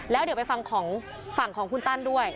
แล้วเดี๋ยวไปฟังของฝั่งของคุณตั้นด้วย